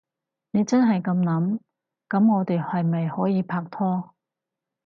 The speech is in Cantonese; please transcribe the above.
你真係噉諗？噉我哋係咪可以拍拖？